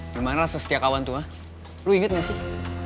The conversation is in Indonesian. dimana sesetia kawan tuh lo inget gak sih